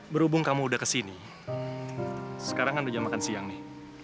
berhubung kamu udah kesini sekarang kan udah jam makan siang nih